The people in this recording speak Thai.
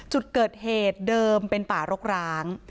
จุดเกิดเหตุเดิมเป็นป่ารกร้าง